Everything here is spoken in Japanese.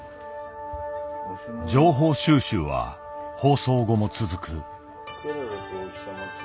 情報収集は放送後も続く。